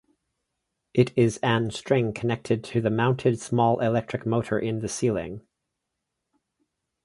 It is an string connected to the mounted small electric motor in the ceiling.